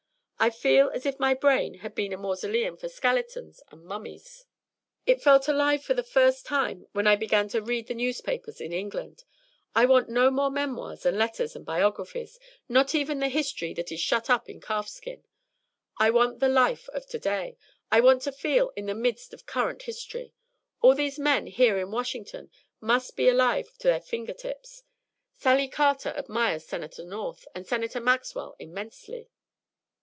I feel as if my brain had been a mausoleum for skeletons and mummies; it felt alive for the first time when I began to read the newspapers in England. I want no more memoirs and letters and biographies, nor even of the history that is shut up in calf skin. I want the life of to day. I want to feel in the midst of current history. All these men here in Washington must be alive to their finger tips. Sally Carter admires Senator North and Senator Maxwell immensely."